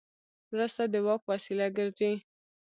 مرسته د واک وسیله ګرځي.